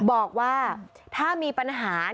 บอกว่าถ้ามีปัญหา